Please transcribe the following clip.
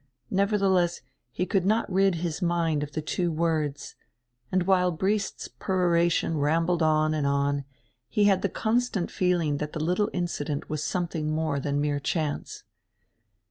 Nevertheless he could not rid his mind of the two words, and while Briest's peroration rambled on and on he had the constant feeling that the little incident was something more than mere chance.